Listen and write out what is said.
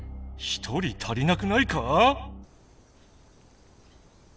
１人足りなくないか？